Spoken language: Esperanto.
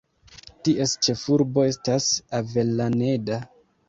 Ties ĉefurbo estas Avellaneda.